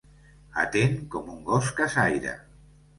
Atent com un gos caçaire.